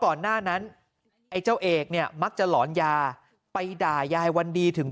ก่อนหน้านั้นไอ้เจ้าเอกเนี่ยมักจะหลอนยาไปด่ายายวันดีถึง